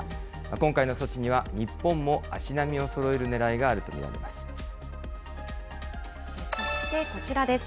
今回の措置には、日本も足並みをそろえるねらいがあると見られまそしてこちらです。